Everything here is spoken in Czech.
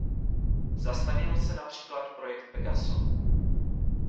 Zastavil se například projekt Pegaso.